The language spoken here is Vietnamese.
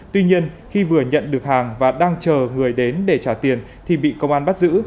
tuy nhiên khi vừa nhận được hàng và đang chờ người đến để trả tiền thì bị công an bắt giữ